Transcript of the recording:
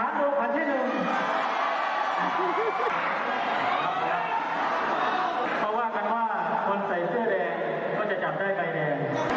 เขาว่ากันว่าคนใส่เสื้อแดงก็จะจับได้ใบแดง